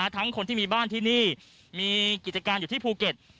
ทั้งคนที่มีบ้านที่นี่มีกิจการอยู่ที่ภูเก็ต